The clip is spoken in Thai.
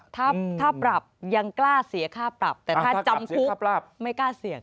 ถ้าปรับยังกล้าเสียค่าปรับแต่ถ้าจำคุกไม่กล้าเสี่ยง